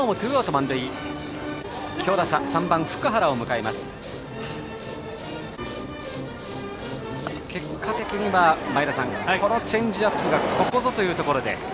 前田さん、結果的にはこのチェンジアップがここぞというところで。